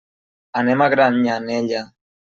Anem a Granyanella.